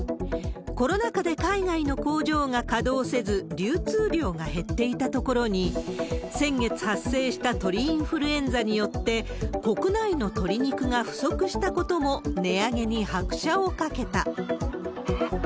コロナ禍で海外の工場が稼働せず、流通量が減っていたところに、先月発生した鳥インフルエンザによって、国内の鶏肉が不足したことも、値上げに拍車をかけた。